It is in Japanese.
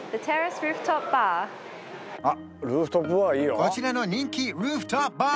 こちらの人気ルーフトップバー